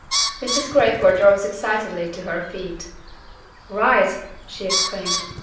Mrs. Crayford rose excitedly to her feet. "Write!" she exclaimed.